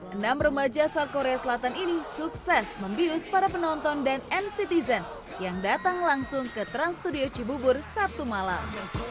enam remaja asal korea selatan ini sukses membius para penonton dan nctzen yang datang langsung ke trans studio cibubur sabtu malam